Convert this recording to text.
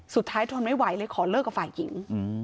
ทนไม่ไหวเลยขอเลิกกับฝ่ายหญิง